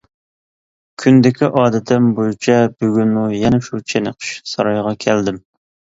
كۈندىكى ئادىتىم بويىچە بۈگۈنمۇ يەنە شۇ چېنىقىش سارىيىغا كەلدىم.